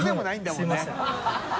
すみません。